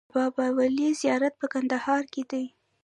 د بابای ولي زیارت په کندهار کې دی